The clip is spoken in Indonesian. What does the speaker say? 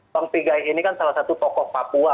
bang pigai ini kan salah satu tokoh papua